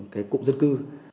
cái cụm dân cư